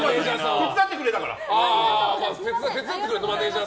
手伝ってくれたから！